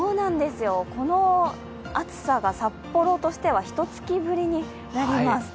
この暑さが札幌としては１か月ぶりになります。